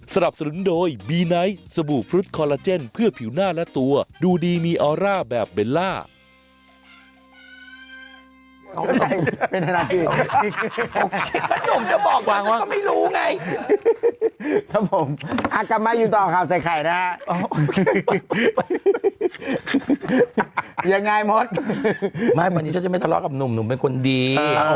จะบอกว่าไม่รู้ไงถ้าผมอักกัมัดอยู่ต่อข้าวใส่ไข่นะยังไงมันจะไม่ทะเลาะกับหนุ่มหนุ่มเป็นคนดี